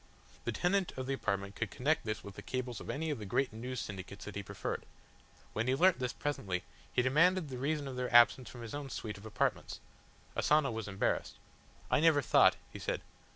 The tenant of the apartment could connect this with the cables of any of the great News Syndicates that he preferred. When he learnt this presently, he demanded the reason of their absence from his own suite of apartments. Asano was embarrassed. "I never thought," he said.